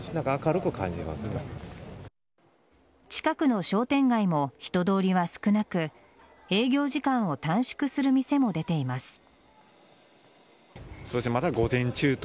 近くの商店街も人通りは少なく営業時間を短縮する店も出ています。